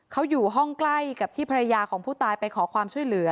เขาอยู่ห้องใกล้กับที่ภรรยาของผู้ตายไปขอความช่วยเหลือ